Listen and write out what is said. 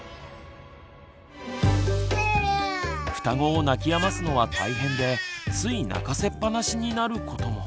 双子を泣きやますのは大変でつい泣かせっぱなしになることも。